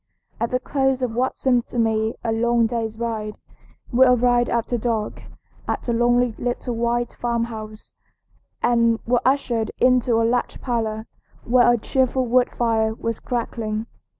At the close of what seemed to me a long day's ride we arrived after dark at a lonely little white farmhouse, and were ushered into a large parlor where a cheerful wood fire was crackling.